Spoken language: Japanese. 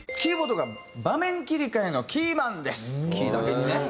「キー」だけにね。